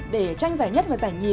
để tranh giải nhất và giải nhì